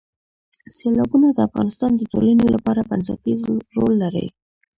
سیلابونه د افغانستان د ټولنې لپاره بنسټيز رول لري.